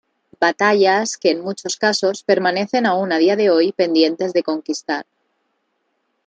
Batallas que, en muchos casos, permanecen aún a día de hoy pendientes de conquistar.